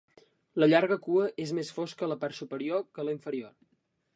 La llarga cua és més fosca a la part superior que a la inferior.